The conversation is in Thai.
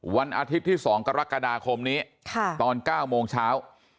วันอาทิตย์ที่๒กรกฎาคมนี้ตอน๙โมงเช้า